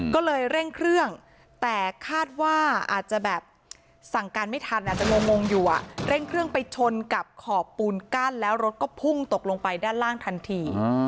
ก็เลยเร่งเครื่องแต่คาดว่าอาจจะแบบสั่งการไม่ทันอาจจะงงอยู่เร่งเครื่องไปชนกับขอบปูนกั้นแล้วรถก็พุ่งตกลงไปด้านล่างทันที